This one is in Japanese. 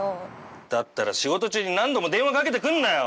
だったら仕事中に何度も電話かけてくんなよ！